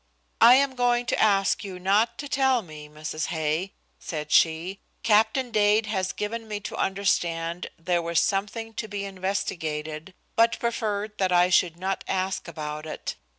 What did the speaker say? "I am going to ask you not to tell me, Mrs. Hay," said she. "Captain Dade has given me to understand there was something to be investigated, but preferred that I should not ask about it.